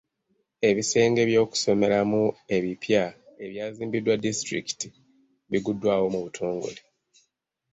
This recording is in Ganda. Ebisenge by'okusomeramu ebipya ebyazimbibwa disitulikiti, biguddwawo mu butogole.